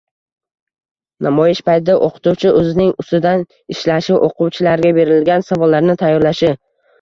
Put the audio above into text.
Namoyish paytida o‘qituvchi o‘zining ustidan ishlashi, o‘quvchilarga beriladigan savollarni tayyorlashi